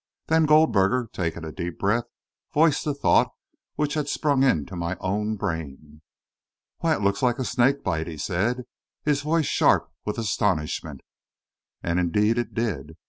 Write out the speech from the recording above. Then Goldberger, taking a deep breath, voiced the thought which had sprung into my own brain. "Why, it looks like a snake bite!" he said, his voice sharp with astonishment. And, indeed, it did.